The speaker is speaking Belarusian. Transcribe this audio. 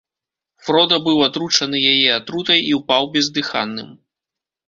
Фрода быў атручаны яе атрутай і ўпаў бездыханным.